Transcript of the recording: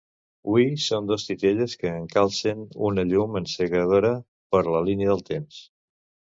Hui són dos titelles que encalcen una llum encegadora per la línia del temps